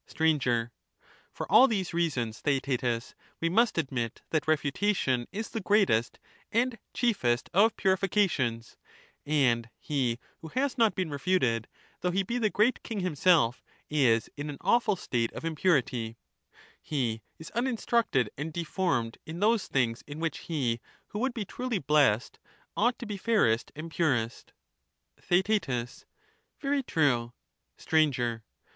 Str, For all these reasons, Theaetetus, we must admit that RcfiitaUon refiitation is the greatest and chiefest of purifications, and he ^® who has not been refuted, though he be the Great King him puriaca self, is in an awful state of impurity; he is uninstructed and ^^^' deformed in those things in which he who would be truly blessed ought to be fairest and purest m Theaet, Very true. Str.